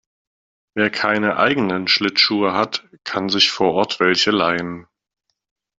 Wer keine eigenen Schlittschuhe hat, kann sich vor Ort welche leihen.